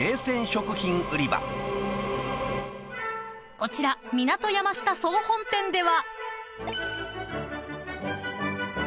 ［こちら港山下総本店では］